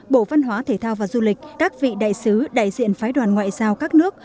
bộ văn hóa thể thao và du lịch các vị đại sứ đại diện phái đoàn ngoại giao các nước